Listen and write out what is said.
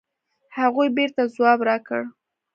هغوی بېرته ځواب راکړ.